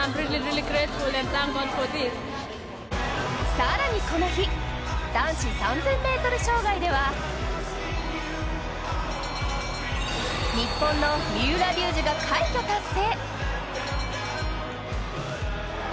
更にこの日、男子３０００ｍ障害では、日本の三浦龍司が快挙達成。